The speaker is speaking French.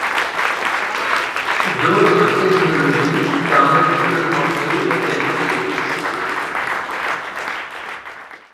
D'autres technologies permettent d'augmenter la qualité des pixels.